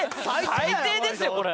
最低ですよこれ。